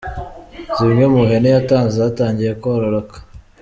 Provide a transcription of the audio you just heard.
Zimwe mu hene yatanze zatangiye kororoka.